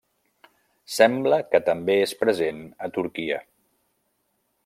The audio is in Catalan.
Sembla que també és present a Turquia.